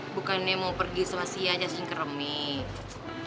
bukannya mau pergi sama si yajah singkir remit